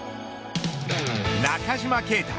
中島啓太